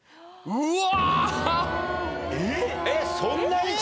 うわ。